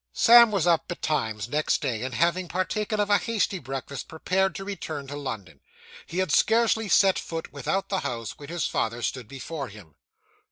Sam was up betimes next day, and having partaken of a hasty breakfast, prepared to return to London. He had scarcely set foot without the house, when his father stood before him.